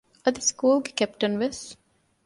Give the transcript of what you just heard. އަދި ސްކޫލުގެ ކެޕްޓަންވެސް